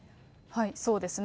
そうですね。